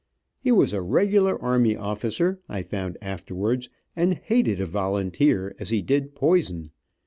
He was a regular army officer, I found afterwards, and hated a volunteer as he did poison.